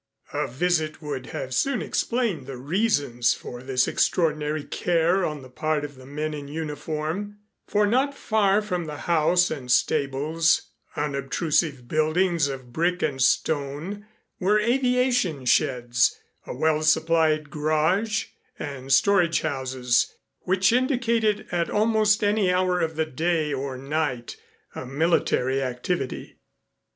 A visit would have soon explained the reasons for this extraordinary care on the part of the men in uniform, for not far from the house and stables, unobtrusive buildings of brick and stone, were aviation sheds, a well supplied garage and storage houses, which indicated at almost any hour of the day or night a military activity.